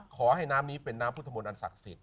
ขอให้น้ำนี้เป็นน้ำพุทธมนต์อันศักดิ์สิทธ